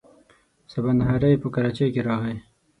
سبا نهاری په کراچۍ کې راغی.